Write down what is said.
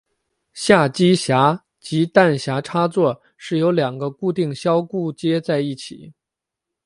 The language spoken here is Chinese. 下机匣及弹匣插座是由两个固定销固接在一起。